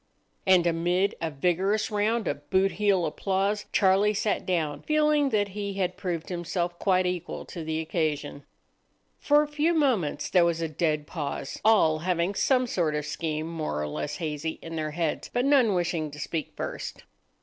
And amid a vigorous round of boot heel applause Charlie sat down, feeling that he had proved himself quite equal to the occasion. For a few moments there was a dead pause, all having some sort of a scheme, more or less hazy, in their heads, but none wishing to speak first.